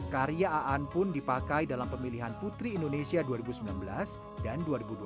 karya aan pun dipakai dalam pemilihan putri indonesia dua ribu sembilan belas dan dua ribu dua puluh